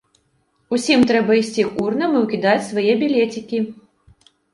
— Усім трэба ісці к урнам і ўкідаць свае білецікі.